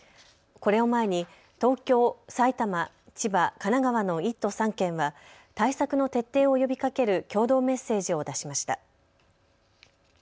これを前に東京、埼玉、千葉、神奈川の１都３県は対策の徹底を呼びかける共同メッセージを出しました。